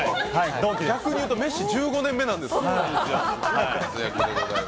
逆に言うとメッシ１５年目なんや。